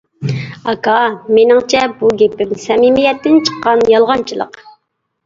ئاكا. مېنىڭچە بۇ گېپىم، سەمىمىيەتتىن چىققان يالغانچىلىق.